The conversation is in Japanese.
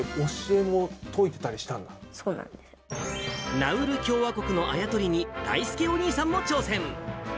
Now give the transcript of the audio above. ナウル共和国のあや取りに、だいすけお兄さんも挑戦。